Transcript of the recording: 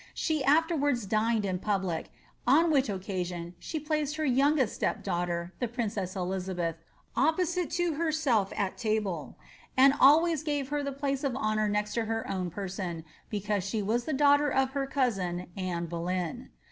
She afterwards dined in public, on which occasion she placed her youngest step daugh ter, the princess Elizabeth, opposite to herself at table, and al ways gave Her the place of honour next to her own person, because she was the daoghter of her cousin Anne Bolcyn.